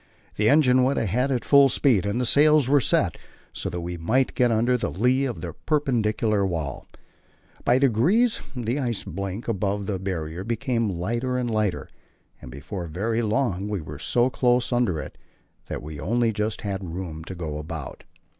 The engine went ahead at full speed, and the sails were set, so that we might get under the lee of the perpendicular wall. By degrees the ice blink above the Barrier became lighter and lighter, and before very long we were so close under it that we only just had room to go about.